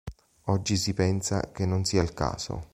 Oggi si pensa che non sia il caso.